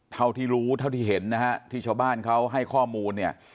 เท่าที่รู้เท่าที่เห็นนะฮะที่ชาวบ้านเขาให้ข้อมูลเนี่ย